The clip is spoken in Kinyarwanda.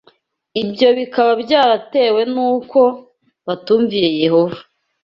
Ibyo bikaba byaratewe n’uko batumviye Yehova